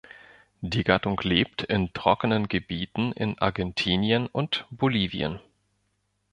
Die Gattung lebt in trockenen Gebieten in Argentinien und Bolivien.